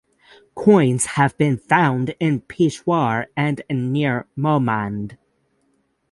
Coins have been found in Peshawar and near Mohmand.